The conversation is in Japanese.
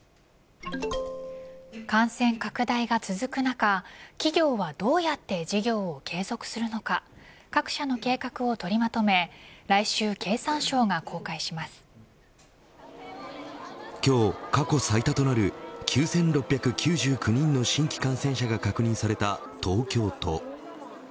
感染拡大が続く中企業はどうやって事業を継続するのか各社の計画を取りまとめ来週、経産省が今日、過去最多となる９６９９人の新規感染者が確認された東京都。